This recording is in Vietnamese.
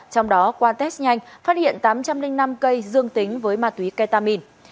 trong đó qua test nhanh phát hiện tám trăm linh năm cây dương tính với ma túy ketamin